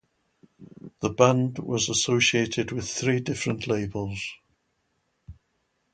The band was associated with three different labels.